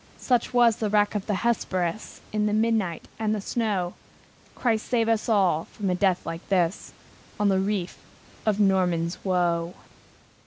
Such was the wreck of the Hesperus, In the midnight and the snow! Christ save us all from a death like this, On the reef of Norman's Woe!